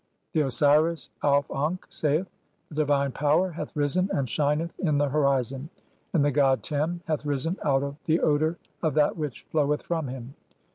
(1) The Osiris Auf ankh saith :— "The divine Power hath risen and shineth [in] the horizon, "and the god Tem hath risen [out of] the odour of that which "floweth from him.